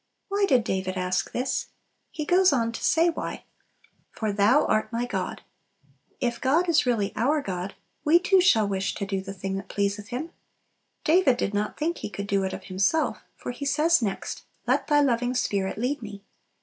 Why did David ask this? He goes on to say why "For Thou art my God." If God is really our God, we too shall wish to do the thing that pleaseth Him. David did not think he could do it of himself, for he says next, "Let Thy loving Spirit lead me."